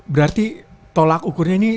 berarti tolak ukurnya ini